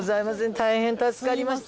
大変助かりました。